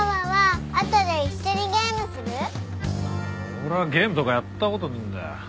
俺はゲームとかやった事ねえんだよ。